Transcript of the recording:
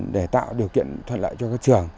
để tạo điều kiện thuận lợi cho các trường